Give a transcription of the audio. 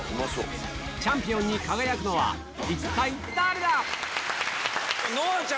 チャンピオンに輝くのは一体誰だ⁉